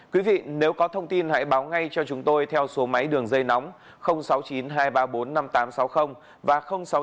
quý vị nếu có thông tin hãy báo ngay cho chúng tôi theo số máy đường dây nóng sáu mươi chín hai trăm ba mươi bốn năm nghìn tám trăm sáu mươi và sáu mươi chín hai trăm ba mươi bốn năm nghìn tám trăm sáu mươi